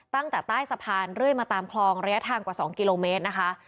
ตั้งแต่ใต้สะพานเรื่อยมาตามคลองระยะทางกว่า๒กิโลเมตรนะคะ